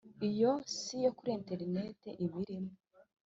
Iyo si yo kuri interineti iba irimo